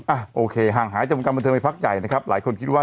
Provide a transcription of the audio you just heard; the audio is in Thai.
อ่ะโอเคห่างหายจากวงการบันเทิงไปพักใหญ่นะครับหลายคนคิดว่า